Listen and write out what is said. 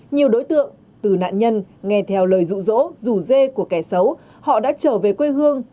nhiều đối tượng từ nạn nhân nghe theo lời rụ rỗ rủ dê của kẻ xấu họ đã trở về quê hương